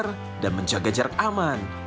masker dan menjaga jarak aman